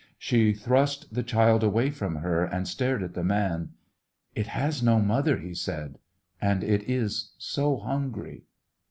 She thrust the child away from her and stared at the man. ''It has no mother/' he said^ ''and it is so hungry.'